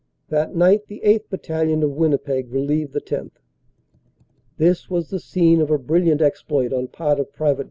That night the 8th. Battalion, of Winnipeg, relieved the 10th." This was the scene of a brilliant exploit on part of Pte.